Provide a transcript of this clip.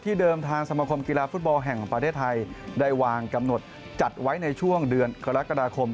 เดิมทางสมคมกีฬาฟุตบอลแห่งประเทศไทยได้วางกำหนดจัดไว้ในช่วงเดือนกรกฎาคม